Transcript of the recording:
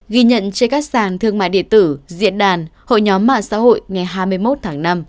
ghi nhận trên các sàn thương mại điện tử diễn đàn hội nhóm mạng xã hội ngày hai mươi một tháng năm